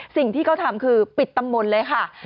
สิ่งที่เขาทำคือปิดตำบลเลยค่ะ